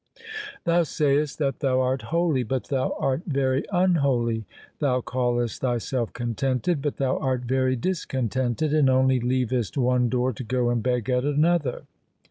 Thou sayest that thou art holy, but thou art very unholy. Thou callest thyself contented, but thou art very discontented, and only leavest one door to go and beg at another.